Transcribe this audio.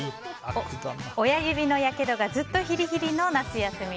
親指のやけどがずっとヒリヒリの最悪。